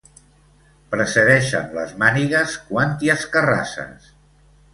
Precedeixen les mànigues quan t'hi escarrasses.